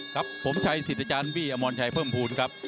ครับผมชัยสิทธิ์อาจารย์บี้อมรชัยเพิ่มภูมิครับ